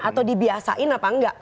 atau dibiasain apa enggak